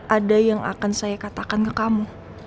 ada yang akan saya katakan ke kamu